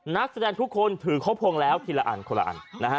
นักแสดงทุกคนถือครบพงแล้วทีละอันคนละอันนะฮะ